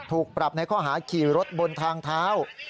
ถูกปรับในข้อหาขี่รถบนทางเท้า